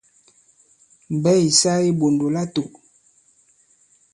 Mbɛ̌ ì sa i iɓòndò latō.